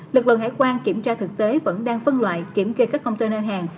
lực lượng hải quan kiểm tra thực tế vẫn đang phân loại kiểm kê các công tên hàng